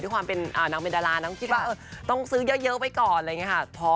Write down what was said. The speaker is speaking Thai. ความเป็นนางเป็นดารานางคิดว่าต้องซื้อเยอะไปก่อนอะไรอย่างนี้ค่ะ